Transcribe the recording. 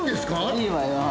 ◆いいわよ。